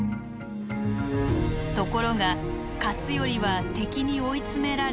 ところが勝頼は敵に追い詰められ自害。